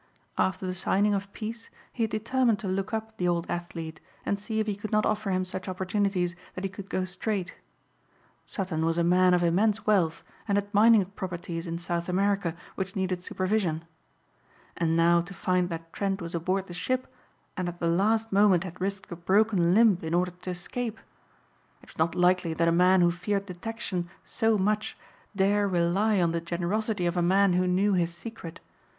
After the signing of peace he had determined to look up the old athlete and see if he could not offer him such opportunities that he could go straight. Sutton was a man of immense wealth and had mining properties in South America which needed supervision. And now to find that Trent was aboard the ship and at the last moment had risked a broken limb in order to escape. It was not likely that a man who feared detection so much dare rely on the generosity of a man who knew his secret.